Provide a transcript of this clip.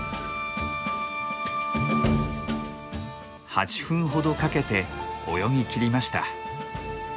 ８分ほどかけて泳ぎきりました。